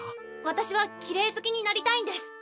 私はきれい好きになりたいんです。